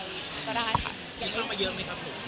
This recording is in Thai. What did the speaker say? มีเข้ามาเยอะไหมครับหนู